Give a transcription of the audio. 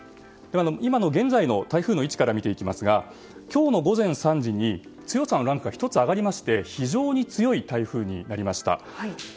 今の現在の台風の位置から見ていきますが今日の午前３時に強さのランクが１つ上がりまして非常に強い台風になりました。